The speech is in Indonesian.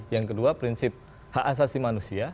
yang kedua prinsip hak asasi manusia